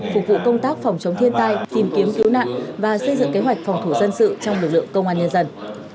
phục vụ công tác phòng chống thiên tai tìm kiếm cứu nạn và xây dựng kế hoạch phòng thủ dân sự trong lực lượng công an nhân dân